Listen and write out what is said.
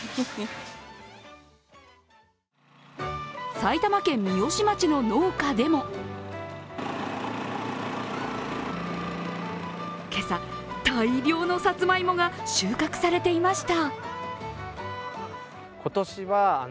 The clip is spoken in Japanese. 埼玉県三芳町の農家でも今朝、大量のさつまいもが収穫されていました。